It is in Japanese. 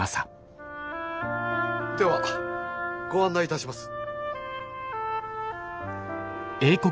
ではご案内いたします。